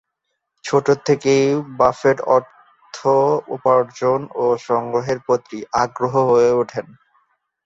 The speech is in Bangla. ছোট থেকেই বাফেট অর্থ উপার্জন ও সংগ্রহের প্রতি আগ্রহী হয়ে উঠেন।